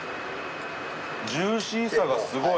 ジューシーさがスゴイ！！